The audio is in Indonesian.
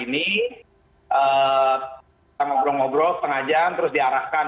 ini sama blok blok sengajaan terus diarahkan